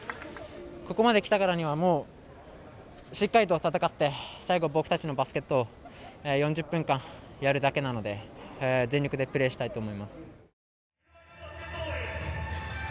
ここまできたからには世界と戦って最後、僕たちのバスケットを４０分間やるだけなので全力でプレーしたいと思います。